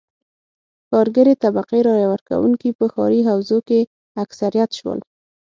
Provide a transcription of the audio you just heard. کارګرې طبقې رایه ورکوونکي په ښاري حوزو کې اکثریت شول.